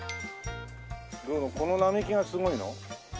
この並木がすごいの？